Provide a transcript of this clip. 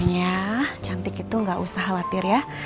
ya cantik itu nggak usah khawatir ya